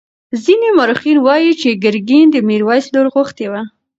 ځینې مورخین وایي چې ګرګین د میرویس لور غوښتې وه.